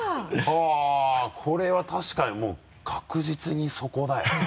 はぁこれは確かにもう確実にそこだよね。